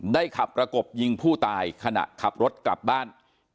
ขับประกบยิงผู้ตายขณะขับรถกลับบ้าน